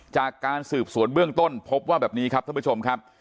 จากการสืบสวนเบื้องต้นพบว่าแบบนี้ครับท่านผู้ชมครับ